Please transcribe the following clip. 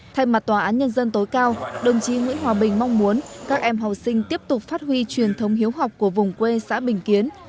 thay mặt tòa án nhân dân tối cao đồng chí nguyễn hòa bình mong muốn các em học sinh tiếp tục phát huy truyền thống hiếu học của vùng quê xã bình kiến